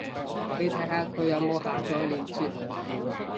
你睇下佢有冇下載連接